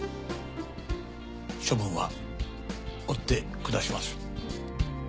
処分は追って下します。